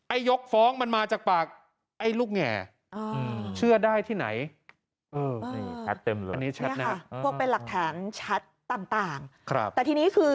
ไอ้ยกฟ้องมันมาจากปาก